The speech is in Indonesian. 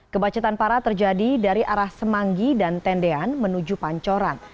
kemacetan parah terjadi dari arah semanggi dan tendean menuju pancoran